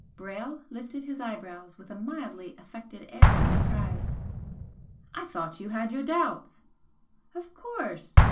Brayle lifted his eyebrows with a mildly affected air of surprise. "I thought you had your doubts " "Of course!